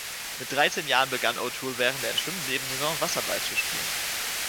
Mit dreizehn Jahren begann O'Toole während der Schwimm-Nebensaison Wasserball zu spielen.